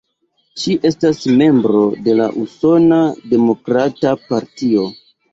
Ŝi estas membro de la Usona Demokrata Partio.